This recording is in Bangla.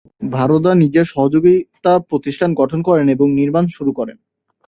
ভারদা নিজের সহযোগিতা প্রতিষ্ঠান গঠন করেন এবং নির্মাণ শুরু করেন।